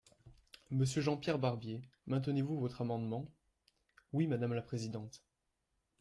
Monsieur Jean-Pierre Barbier, maintenez-vous votre amendement ? Oui, madame la présidente.